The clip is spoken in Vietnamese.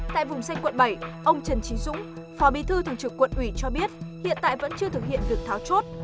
tại vùng xanh quận bảy ông trần trí dũng phó bí thư thường trực quận ủy cho biết hiện tại vẫn chưa thực hiện việc tháo chốt